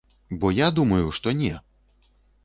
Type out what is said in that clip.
Бо я думаю, што не!